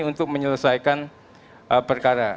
untuk menyelesaikan perkara